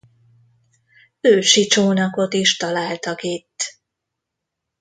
Ősi csónakot is találtak itt.